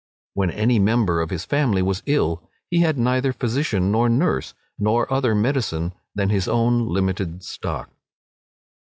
When any member of his family was ill, he had neither physician nor nurse, nor other medicine than his own limited stock.